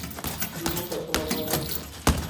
کیلـو په شل افغانۍ.